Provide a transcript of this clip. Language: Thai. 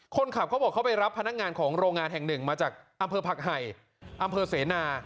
เขาบอกเขาไปรับพนักงานของโรงงานแห่งหนึ่งมาจากอำเภอผักไห่อำเภอเสนา